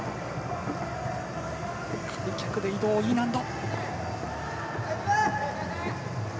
開脚で移動、Ｅ難度。